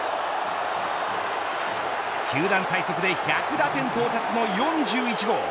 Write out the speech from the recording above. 球団最速で１００打点到達の４１号。